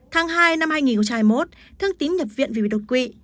tháng hai năm hai nghìn hai mươi một thương tín nhập viện vì bị độc quỵ